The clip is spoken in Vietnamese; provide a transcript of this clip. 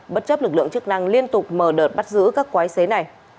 bất chấp lực lượng chức năng liên tục mở đợt bắt giữ các quái xế này